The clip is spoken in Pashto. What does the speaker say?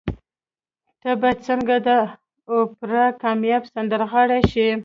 ته به څنګه د اوپرا کاميابه سندرغاړې شې؟